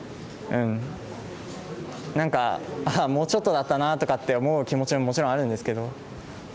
もうちょっとだったなとかって思う気持ちももちろんあるんですけど。